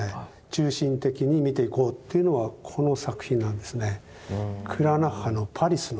中心的に見ていこうっていうのはこの作品なんですね。